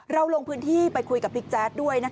ลงพื้นที่ไปคุยกับบิ๊กแจ๊ดด้วย